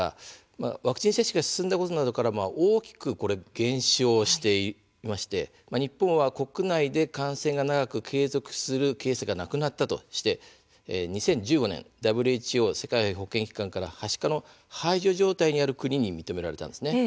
ワクチン接種が進んだことなどから大きく減少していまして日本は国内で感染が長く継続するケースがなくなったとして２０１５年ＷＨＯ＝世界保健機関からはしかの排除状態にある国に認められたんです。